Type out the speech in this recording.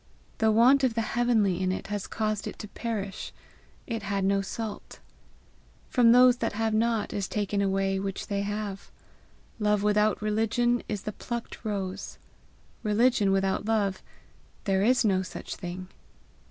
The want of the heavenly in it has caused it to perish: it had no salt. From those that have not is taken away that which they have. Love without religion is the plucked rose. Religion without love there is no such thing.